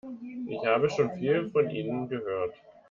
Ich habe schon viel von Ihnen gehört.